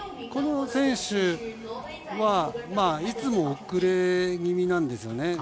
この選手はいつも遅れ気味なんですよね。